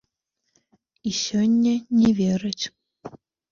І сёння не вераць.